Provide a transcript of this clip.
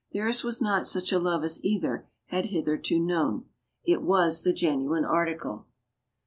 Theirs was not such a love as either had hitherto known. It was the genuine article.